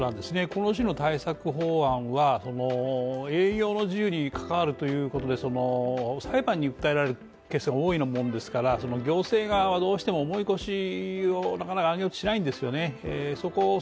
この時の対策法案は営業の自由に関わるということで裁判に訴えられるケースが多いもんですから行政側はどうしても重い腰をなかなか上げないんですよね